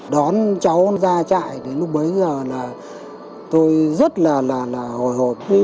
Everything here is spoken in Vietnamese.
đón cháu ra chạy đến lúc bấy giờ là tôi rất là hồi hộp